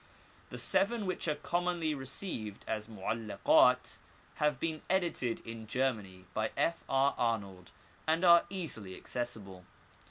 The seven which are commonly received as Mo'al lakat have been edited in Germany by F. R. Arnold, and are easily accessible.